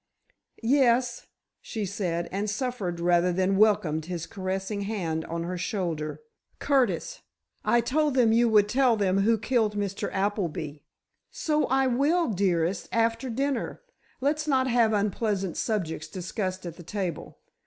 "Yes," she said, and suffered rather than welcomed his caressing hand on her shoulder. "Curtis, I told them you would tell them who killed Mr. Appleby." "So I will, dearest, after dinner. Let's not have unpleasant subjects discussed at table.